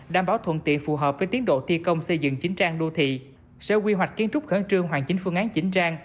đảm bảo thuận tiện phù hợp với tiến độ thi công xây dựng chính trang đô thị sở quy hoạch kiến trúc khẩn trương hoàn chính phương án chỉnh trang